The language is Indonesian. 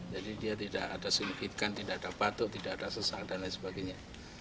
jadi dia tidak ada signifikan tidak ada batuk tidak ada sesak dan lain sebagainya